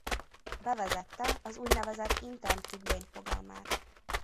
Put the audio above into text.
Bevezette az úgynevezett intern függvény fogalmát.